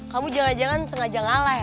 kamu jangan jangan sengaja ngalah ya